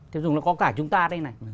tiêu dùng nó có cả chúng ta đây này